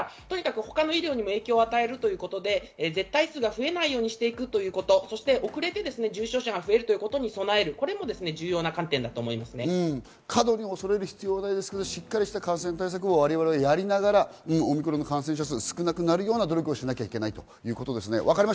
他の医療にも影響を与えるということで絶対数が増えないようにしていくということ、遅れて重症者が増えるということに備えるのも重要な観点で過度に恐れる必要はないですが、しかりした感染対策をやりながら、オミクロンの感染者数を少なくなるような努力をしなきゃいけないっていうことですね。